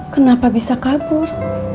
kenapa bisa kabur